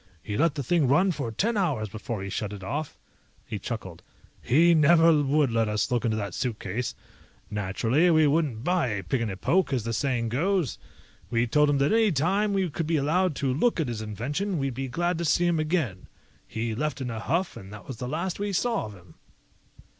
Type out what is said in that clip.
He let the thing run for ten hours before he shut it off." He chuckled. "He never would let us look into that suitcase. Naturally, we wouldn't buy a pig in a poke, as the saying goes. We told him that any time we could be allowed to look at his invention, we'd be glad to see him again. He left in a huff, and that was the last we saw of him."